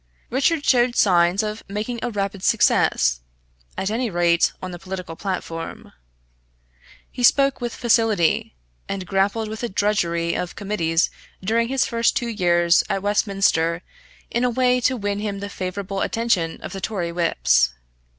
Richard showed signs of making a rapid success, at any rate on the political platform. He spoke with facility, and grappled with the drudgery of committees during his first two years at Westminster in a way to win him the favourable attention of the Tory whips.